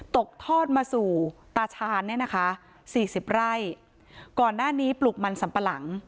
ตกทอดมาสู่ตาชาญเนี่ยนะคะสี่สิบไร่ก่อนหน้านี้ปลูกมันสัมปะหลัง